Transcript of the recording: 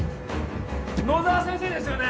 野沢先生ですよね？